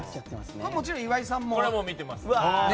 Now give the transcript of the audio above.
もちろん、岩井さんも？